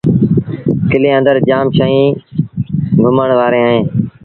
ڪلي اندر جآم شئيٚن گھمڻ وآريٚݩ اهيݩ۔